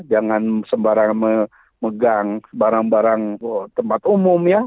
jangan sembarang memegang barang barang tempat umum ya